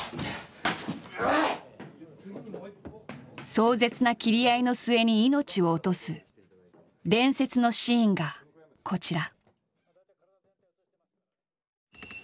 壮絶な斬り合いの末に命を落とす伝説のシーンがこちら。